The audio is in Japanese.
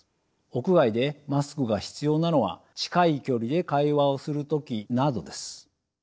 屋外でマスクが必要なのは近い距離で会話をする時などです。